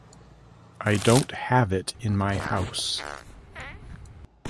I don't have it in my house.